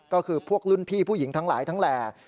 ก็คือพวกรุ่นพี่ผู้หญิงทั้งหลายทั้งแหล่